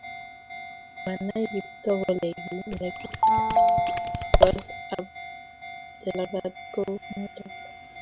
manai Kiptoo kole ki negit kot ab Jelagat ko u noton